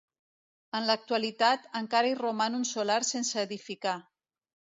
En l'actualitat, encara hi roman un solar sense edificar.